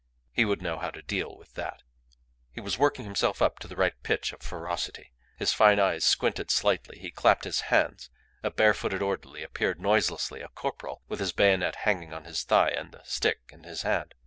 He would know how to deal with that. He was working himself up to the right pitch of ferocity. His fine eyes squinted slightly; he clapped his hands; a bare footed orderly appeared noiselessly, a corporal, with his bayonet hanging on his thigh and a stick in his hand.